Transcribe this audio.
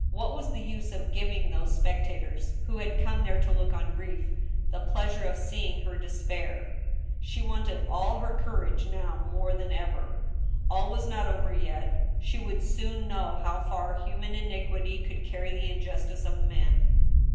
What was the use of giving those spec tators, who had come there to look on grief, the pleasure of seeing her despair ? She wanted all her courage now more than ever. All was not over yet. She would soon know how far human iniquity could carry the injustice of men.